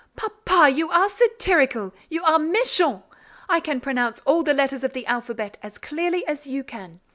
"Papa, you are satirical, you are méchant! I can pronounce all the letters of the alphabet as clearly as you can.